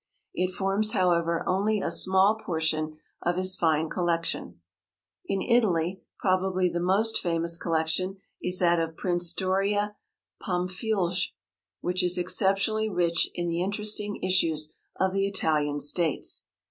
It forms, however, only a small portion of his fine collection. In Italy probably the most famous collection is that of Prince Doria Pamphilj, which is exceptionally rich in the interesting issues of the Italian States.